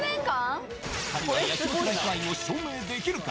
２人は焼肉ライク愛を証明できるか？